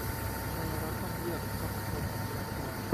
ทำไมเราต้องเลือกชักชวนอาชญากร